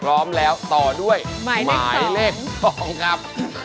พร้อมแล้วต่อด้วยหมายเลข๒ครับ